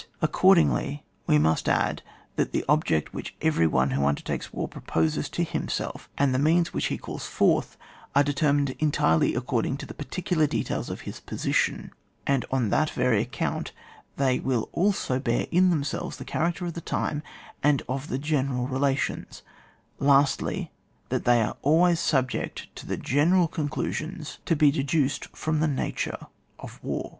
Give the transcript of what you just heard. Accordingly, we must add that the object which every one who undertakes war proposes to himself, and the means which he calls forth, are determined entirely according to the particular details of his position ; and on that very account they will also bear in them selves the character of the time and of the general relations; lastly, that they are always subject to the genenU con elusions to be deduced from the nature of war.